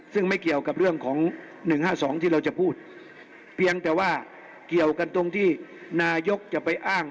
ซึ่งไม่เกี่ยวกับเรื่องของ๑๕๒ที่เราจะพูดเพียงแต่ว่าเกี่ยวกันตรงที่นายกจะไปอ้าง